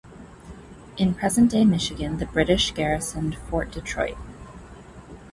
In present-day Michigan, the British garrisoned Fort Detroit.